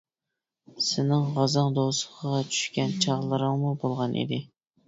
سېنىڭ غازاڭ دوزىخىغا چۈشكەن چاغلىرىڭمۇ بولغان ئىدى.